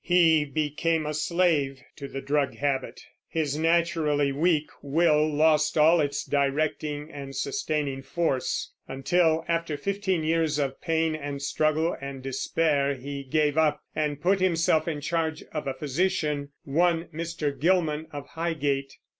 He became a slave to the drug habit; his naturally weak will lost all its directing and sustaining force, until, after fifteen years of pain and struggle and despair, he gave up and put himself in charge of a physician, one Mr. Gillman, of Highgate.